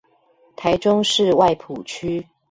臺中市外埔區